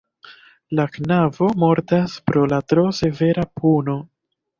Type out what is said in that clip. La knabo mortas pro la tro severa puno.